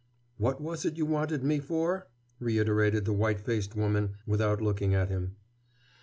"What was it you wanted me for?" reiterated the white faced woman, without looking at him.